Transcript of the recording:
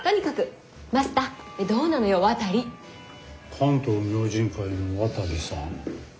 「関東明神会」の渡さん。